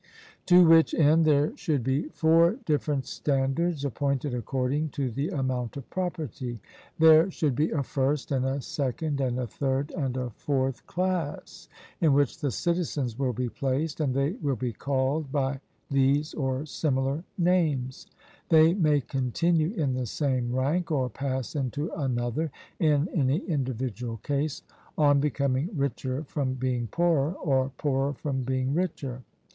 To which end there should be four different standards appointed according to the amount of property: there should be a first and a second and a third and a fourth class, in which the citizens will be placed, and they will be called by these or similar names: they may continue in the same rank, or pass into another in any individual case, on becoming richer from being poorer, or poorer from being richer.